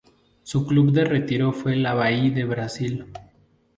Su club de retiro fue el Avaí de Brasil.